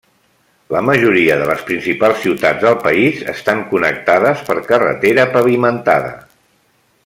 La majoria de les principals ciutats del país estan connectades per carretera pavimentada.